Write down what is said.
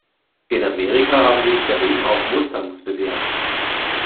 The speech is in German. In Amerika haben sich daneben auch Mustangs bewährt.